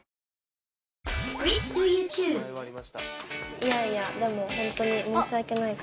いやいやでもホントに申し訳ないから。